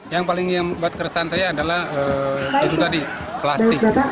yang paling buat keresahan saya adalah itu tadi plastik